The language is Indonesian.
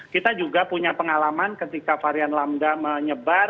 kita juga punya pengalaman ketika varian lamda menyebar